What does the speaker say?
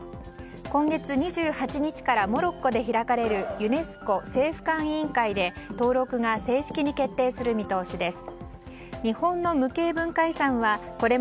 今月２８日からモロッコで開かれるユネスコ政府間委員会で登録が正式に決定する見通しです。